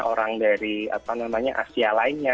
orang dari asia lainnya